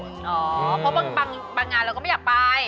อ๋อเพราะบางอย่างเราก็ไม่อยากไป